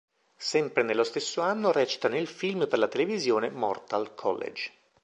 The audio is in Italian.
Sempre nello stesso anno recita nel film per la televisione "Mortal College".